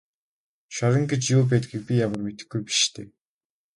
Шорон гэж юу байдгийг би ямар мэдэхгүй биш дээ.